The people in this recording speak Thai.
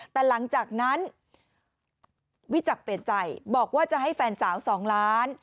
แต่หลังจากนั้นวิจักรเปลี่ยนใจบอกว่าจะให้แฟนสาว๒ล้าน